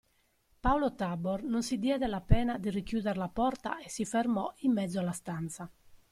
Paolo Tabor non si diede la pena di richiuder la porta e si fermò in mezzo alla stanza.